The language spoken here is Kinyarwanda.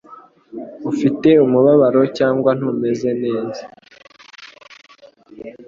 ufite umubabaro cyangwa ntumeze neza